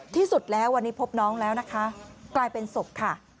ที่สุดแล้ววันนี้พบน้องแล้วนะคะกลายเป็นศพค่ะ